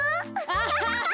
アハハハ。